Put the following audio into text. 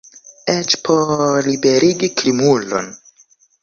Eĉ por liberigi krimulon!